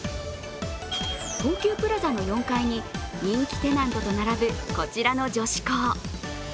東急プラザの４階に人気テナントと並ぶこちらの女子校。